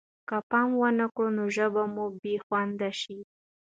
که پام ونه کړو نو ژبه به مو بې خونده شي.